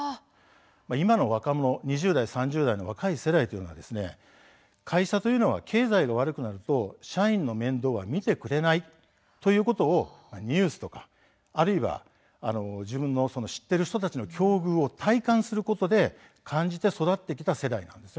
今の２０代３０代の若い世代は会社というのは経済が悪くなると社員の面倒を見てくれないということをニュースとか自分の知っている人の境遇を体感することで育ってきた世代です。